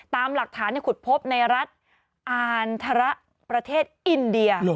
ตามหลักฐานขุดพบในรัฐอานทรประเทศอินเดีย